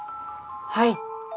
はい。